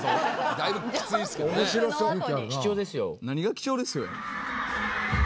何が「貴重ですよ」や？